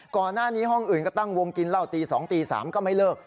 ก่อนหน้านี้ห้องอื่นก็ตั้งวงกินเหล้าตี๒ตี๓ก็ไม่เลิก